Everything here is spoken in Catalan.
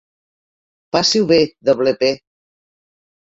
Passi-ho bé, doble pe!